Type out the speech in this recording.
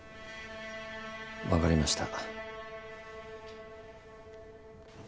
わかりました。